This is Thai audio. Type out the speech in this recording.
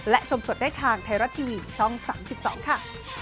และชมสดได้ทางไทยรัฐทีวีช่อง๓๒ค่ะ